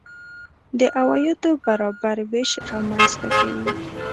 د عوایدو برابر وېش رامنځته کوي.